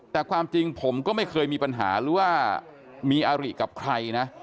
แต่ความจริงผมก็ไม่เคยมีปัญหาหรือว่ามีอาริกับใครนะ